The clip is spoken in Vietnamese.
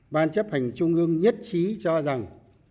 ban chấp hành trung ương nhất trí cho rằng